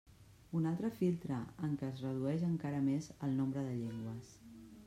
Un altre filtre en què es redueix encara més el nombre de llengües.